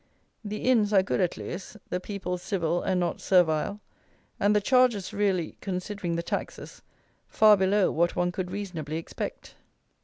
The Inns are good at Lewes, the people civil and not servile, and the charges really (considering the taxes) far below what one could reasonably expect.